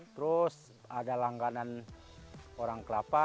terus ada langganan orang kelapa